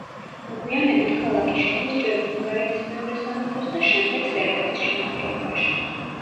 მოგვიანებით ქალაქი შედის ჯერ ბულგარეთის მეორე სამეფოს და შემდეგ სერბეთის შემადგენლობაში.